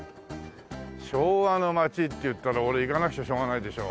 昭和の街っていったら俺行かなくちゃしょうがないでしょ。